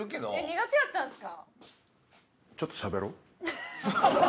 苦手やったんですか？